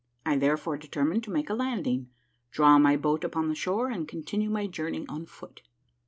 I therefore determined to make a landing — draw my boat upon the shore, and continue my journey on foot.